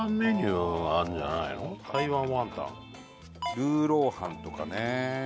ルーロー飯とかね。